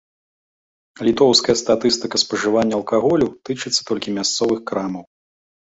Літоўская статыстыка спажывання алкаголю тычыцца толькі мясцовых крамаў.